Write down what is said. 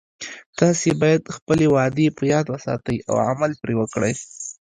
تاسې باید خپلې وعدې په یاد وساتئ او عمل پری وکړئ